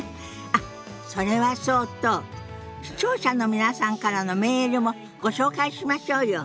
あっそれはそうと視聴者の皆さんからのメールもご紹介しましょうよ。